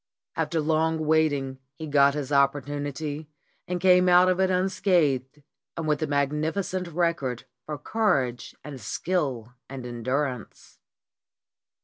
After long waiting he got his opportunity and came out of it unscathed, and with a magnificent record for courage and skill and endurance.